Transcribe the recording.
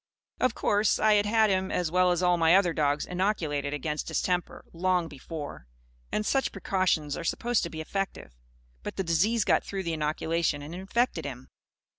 Of course, I had had him (as well as all my other dogs) inoculated against distemper, long before; and such precautions are supposed to be effective. But the disease got through the inoculation and infected him.